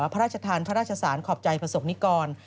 พระราชทานพระราชสารขอบใจประสบนิกร